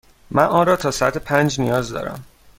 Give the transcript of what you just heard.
من آن را تا ساعت پنج نیاز دارم.